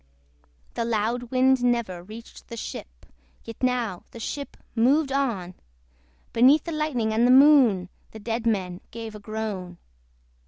The loud wind never reached the ship, Yet now the ship moved on! Beneath the lightning and the Moon The dead men gave a groan.